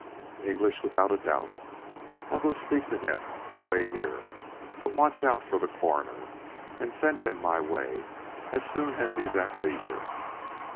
"English, without a doubt. I'll go speak to him; you wait here, but watch out for the Coroner, and send him my way as soon as he's at leisure."